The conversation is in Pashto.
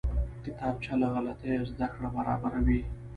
کتابچه له غلطیو زده کړه برابروي